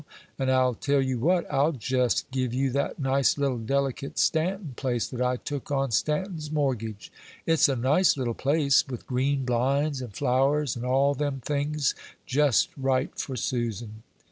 and I'll tell you what, I'll jest give you that nice little delicate Stanton place that I took on Stanton's mortgage: it's a nice little place, with green blinds, and flowers, and all them things, just right for Susan."